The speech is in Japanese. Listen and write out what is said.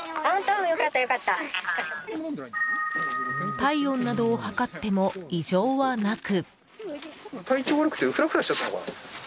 体温などを測っても異常はなく。